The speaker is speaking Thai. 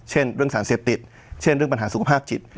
เช่นเรื่องสารเสพติดเช่นเรื่องปัญหาสุขภาพจิต